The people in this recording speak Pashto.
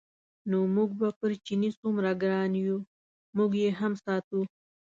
نو موږ به پر چیني څومره ګران یو موږ یې هم ساتو.